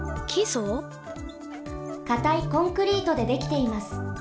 かたいコンクリートでできています。